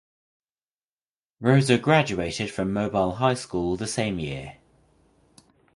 Rosa graduated from Mobile High School the same year.